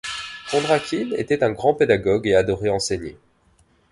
Kondrachine était un grand pédagogue et adorait enseigner.